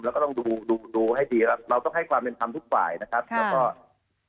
แล้วก็ต้องดูให้ดีเราต้องให้ความเล็นคำทุกฝ่ายนะครับ